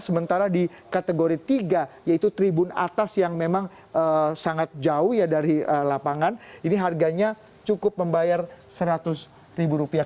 sementara di kategori tiga yaitu tribun atas yang memang sangat jauh ya dari lapangan ini harganya cukup membayar seratus ribu rupiah